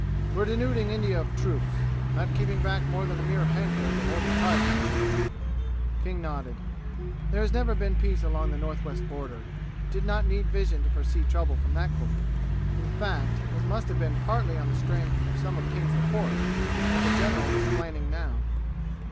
"We're denuding India of troops not keeping back more than a mere handful to hold the tribes in check." King nodded. There has never been peace along the northwest border. It did not need vision to foresee trouble from that quarter. In fact it must have been partly on the strength of some of King's reports that the general was planning now.